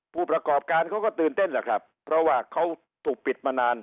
ผู้ประกอบการเขาก็ตื่นเต้นแหละครับเพราะว่าเขาถูกปิดมานาน